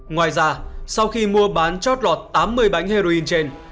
ngoài ra sau khi mua bán chót lọt tám mươi bánh heroin trên